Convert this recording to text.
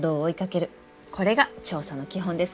これが調査の基本ですから。